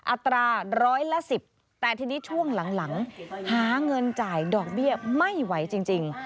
อัตราร้อยละ๑๐แต่ทีนี้ช่วงหลังหาเงินจ่ายดอกเบี้ยไม่ไหวจริง